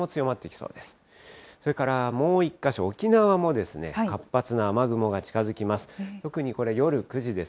それからもう１か所、沖縄も活発な雨雲が近づきます。